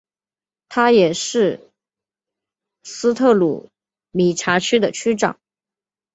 他也是斯特鲁米察区的区长。